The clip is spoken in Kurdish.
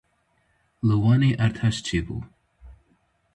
Li Wanê erdhej çêbû.